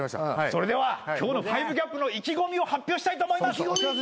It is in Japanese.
それでは今日の５ＧＡＰの意気込みを発表したいと思います。